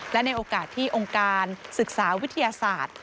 และในโอกาสที่องค์การศึกษาวิทยาศาสตร์